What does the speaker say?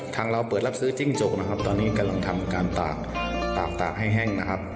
เราเปิดรับซื้อจิ้งจกนะครับตอนนี้กำลังทำการตากตากตากให้แห้งนะครับ